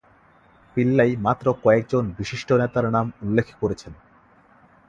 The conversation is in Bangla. পিল্লাই মাত্র কয়েকজন বিশিষ্ট নেতার নাম উল্লেখ করেছেন।